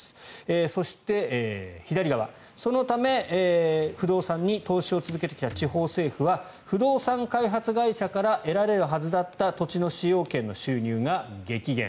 そして、左側そのため、不動産に投資を続けてきた地方政府は不動産開発会社から得られるはずだった土地の使用権の収入が激減。